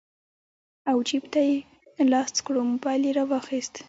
او جېب ته يې لاس کړو موبايل يې رواخيست